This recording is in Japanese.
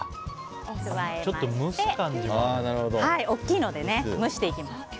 大きいので蒸していきます。